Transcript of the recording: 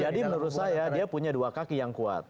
menurut saya dia punya dua kaki yang kuat